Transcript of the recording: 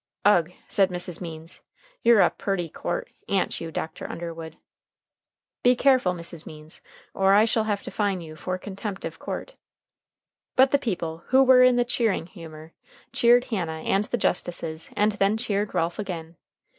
"Ugh!" said Mrs. Means. "You're a purty court, a'n't you, Dr. Underwood?" "Be careful, Mrs. Means, or I shall have to fine you for contempt of court." But the people, who were in the cheering humor, cheered Hannah and the justices, and then cheered Ralph again.